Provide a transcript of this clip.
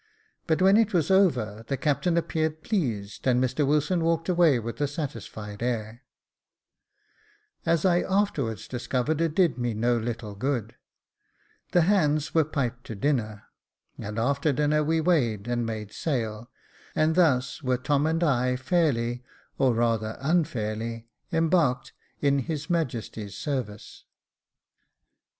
But when it was over, the captain appeared pleased, and Mr Wilson walked away with a satisfied air.. Jacob Faithful ^$y As I afterwards discovered it did me no little good. The hands were piped to dinner, and after dinner we weighed and made sail, and thus were Tom and I fairly, or rather unfairly, embarked in his Majesty's service.